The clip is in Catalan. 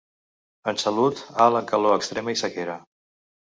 En salut, alt en calor extrema i sequera.